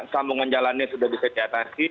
sambungan jalannya sudah bisa diatasi